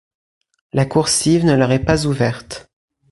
La coursive ne leur est pas ouverte.